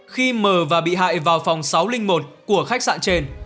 khi mờ và bị hại vào phòng sáu trăm linh một của khách sạn trên